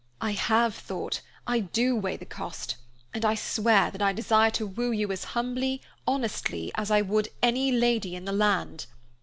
"I have thought, I do weigh the cost, and I swear that I desire to woo you as humbly, honestly as I would any lady in the land.